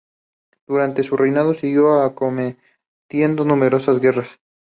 Durante su reinado siguió acometiendo numerosas guerras.